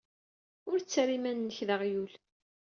Ur ttarra iman-nnek d aɣyul.